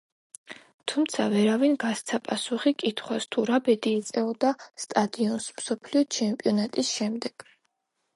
თუმცა ვერავინ გასცა პასუხი კითხვას თუ რა ბედი ეწეოდა სტადიონს მსოფლიო ჩემპიონატის შემდეგ.